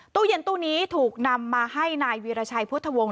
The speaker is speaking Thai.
ตู้เย็นตู้นี้ถูกนำมาให้นายวีรชัยพุทธวงศ